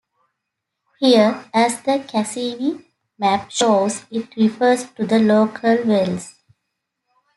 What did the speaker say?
Here, as the Cassini map shows, it refers to the local wells.